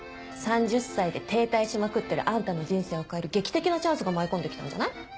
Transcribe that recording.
３０歳で停滞しまくってるあんたの人生を変える劇的なチャンスが舞い込んで来たんじゃない？